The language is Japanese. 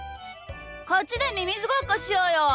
こっちでミミズごっこしようよ。